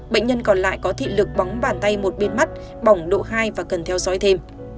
bệnh nhân còn lại có thị lực bóng bàn tay một bên mắt bỏng độ hai và cần theo dõi thêm